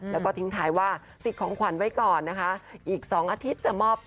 แล้วก็ทิ้งท้ายว่าติดของขวัญไว้ก่อนนะคะอีก๒อาทิตย์จะมอบ